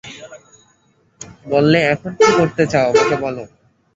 বললে, এখন কী করতে চাও আমাকে বলো।